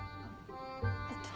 えっと。